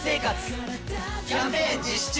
キャンペーン実施中！